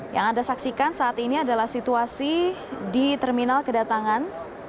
yang anda saksikan saat ini adalah situasi di terminal kedatangan